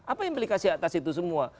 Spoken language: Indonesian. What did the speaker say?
apa implikasi atas itu semua